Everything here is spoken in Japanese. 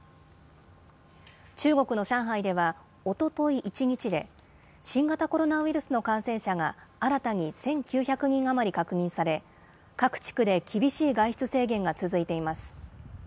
中国の上海では、おととい１日で、新型コロナウイルスの感染者が新たに１９００人余り確認され、各地区で厳しい外出制限が続いています。